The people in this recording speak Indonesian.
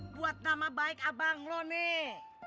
buat nama baik abang lu nih